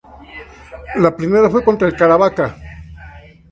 La primera fue contra el Caravaca.